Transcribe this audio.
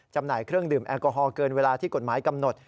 จำหน่ายเครื่องดื่มแอลกอฮอลเกินเวลาที่กฎหมายกำหนด